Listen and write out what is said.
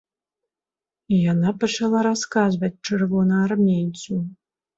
І яна пачала расказваць чырвонаармейцу.